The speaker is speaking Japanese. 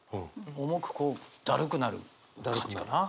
重くこうだるくなる感じかな。